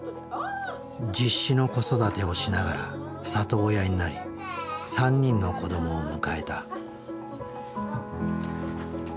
実子の子育てをしながら里親になり３人の子どもを迎えた。